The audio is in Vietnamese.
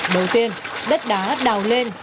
đầu tiên đất đá đào lên